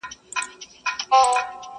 او دربار یې کړ صفا له رقیبانو!.